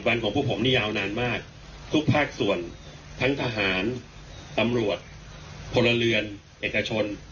ของพวกผมนี่ยาวนานมากทุกภาคส่วนทั้งทหารตำรวจพลเรือนเอกชน